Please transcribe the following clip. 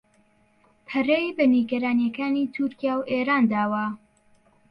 پەرەی بە نیگەرانییەکانی تورکیا و ئێران داوە